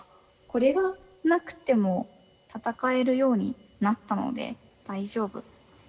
これがなくても闘えるようになったので大丈夫。